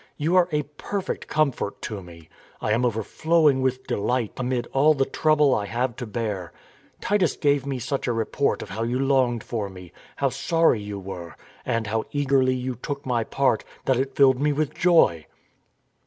You are a perfect com fort to me. I am overflowing with delight amid all the trouble I have to bear. ... Titus gave me such a report of how you longed for me, how sorry you were, and how eagerly you took my part, that it filled me with joy.